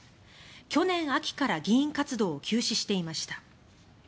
去年秋から議員活動を休止していました。